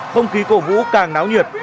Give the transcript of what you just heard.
không khí cổ vũ càng náo nhiệt